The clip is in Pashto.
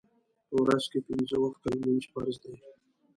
په ورځ کې پنځه وخته لمونځ فرض دی